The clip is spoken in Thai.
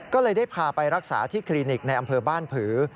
ก็เลยได้พาไปรักษาที่คลินิกในอำเภอบ้านผือ